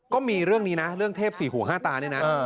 ก็มีเรื่องนี้นะเรื่องเทพสี่หูห้าตาเนี่ยนะ